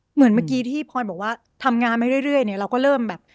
เหมือนเมื่อกี้ที่พลอยบอกว่าทำงานไปเรื่อยเนี่ยเราก็เริ่มแบบ